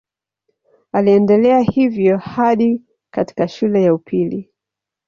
Aliendelea hivyo hadi katika shule ya upili.